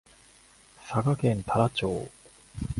佐賀県太良町